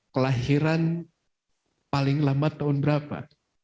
kelahiran paling lama tahun berapa